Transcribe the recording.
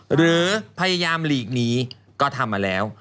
หรือพยายามหลีกหนีก็ทำมาแล้ว